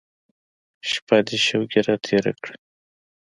شپه دې شوګیره تېره کړه.